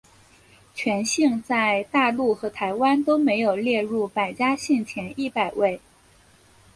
全姓在大陆和台湾都没有列入百家姓前一百位。